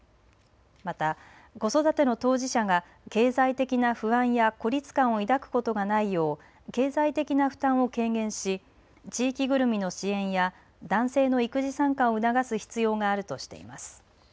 また子育ての当事者が経済的な不安や孤立感を抱くことがないよう経済的な負担を軽減し地域ぐるみの支援や男性の育児参加を促す必要があるとしています。